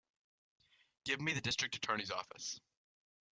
Give me the District Attorney's office.